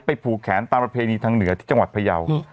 ผูกแขนตามประเพณีทางเหนือที่จังหวัดพยาว